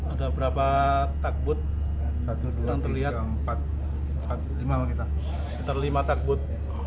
ada berapa takbut satu dua tiga empat lima kita terlima takbut